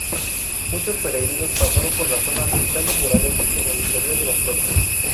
Muchos peregrinos pasaron por la zona, pintando murales en el interior de las cuevas.